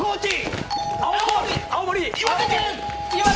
岩手県。